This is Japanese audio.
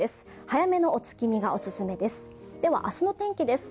早めのお月見がおすすめです。